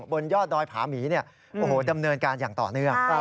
บนยอดดอยผาหมีดำเนินการอย่างต่อเนื่อง